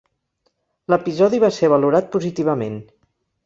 L'episodi va ser valorat positivament.